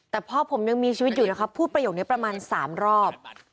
แต่พ่อผมยังมีชีวิตอยู่นะครับพูดประโยคนี้ประมาณ๓รอบ